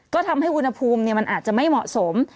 ก็ทำให้อุณหภูมิมันอาจจะไม่เหมาะสม